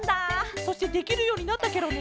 そしてできるようになったケロね！